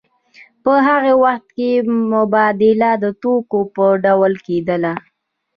په هغه وخت کې مبادله د توکو په ډول کېدله